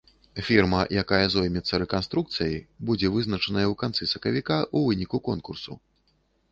Фірма, якая зоймецца рэканструкцыяй, будзе вызначаная ў канцы сакавіка, у выніку конкурсу.